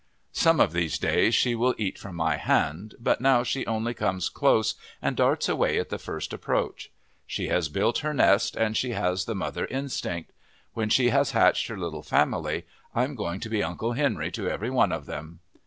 Some of these days she will eat from my hand. But now she only comes close and darts away at the first approach. She has built her nest and she has the mother instinct. When she has hatched her little family I'm going to be Uncle Henry to every one of them.